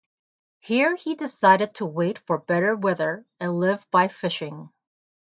Here he decided to wait for better weather and live by fishing.